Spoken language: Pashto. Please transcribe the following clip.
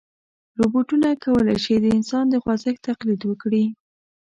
روبوټونه کولی شي د انسان د خوځښت تقلید وکړي.